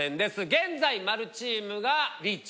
現在○チームがリーチ。